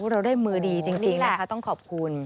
เราได้มือดีจริงนะคะต้องขอบคุณ